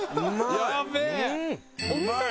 やべえ！